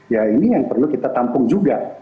ya ini yang perlu kita tampung juga